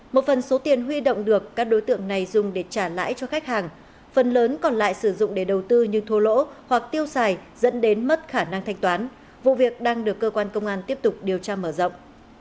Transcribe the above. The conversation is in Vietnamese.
một phần số tiền huy động được các đối tượng này dùng để trả lãi cho khách hàng phần lớn còn lại sử dụng để đầu tư như thua lỗ hoặc tiêu xài dẫn đến mất khả năng thanh toán vụ việc đang được cơ quan công an tiếp tục điều tra mở rộng